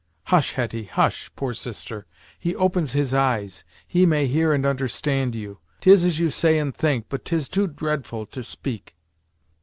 "Hush, Hetty hush, poor sister He opens his eyes; he may hear and understand you. 'Tis as you say and think, but 'tis too dreadful to speak."